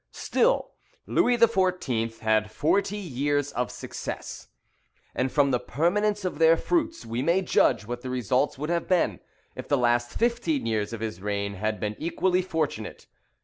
Still, Louis XIV. had forty years of success; and from the permanence of their fruits we may judge what the results would have been if the last fifteen years of his reign had been equally fortunate.